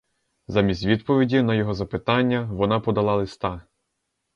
Замість відповіді на його запитання — вона подала листа.